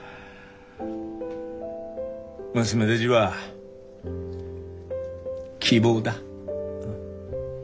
娘だぢは希望だ。